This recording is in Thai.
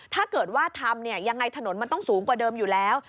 ถ้าเกิดว่าทำเนี่ยยังไงถนนมันต้องสูงกว่าเดิมอยู่แล้ว